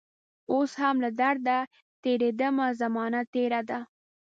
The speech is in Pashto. اوس هم له درده تیریدمه زمانه تیره ده